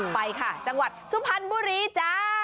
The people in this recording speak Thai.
ไปค่ะจังหวัดสุพรรณบุรีจ้า